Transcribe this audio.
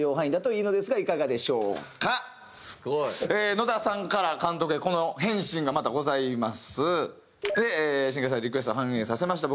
野田さんから監督へこの返信がまたございます。